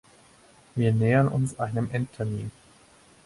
Wir nähern uns einem Endtermin.